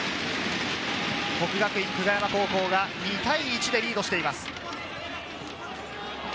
國學院久我山高校が２対１でリードしています。